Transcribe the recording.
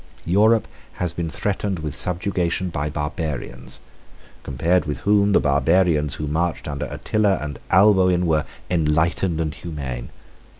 Europe has been threatened with subjugation by barbarians, compared with whom the barbarians who marched under Attila and Alboin were enlightened and humane.